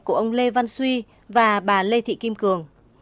của ông lê văn suy và bà lê thị kim cường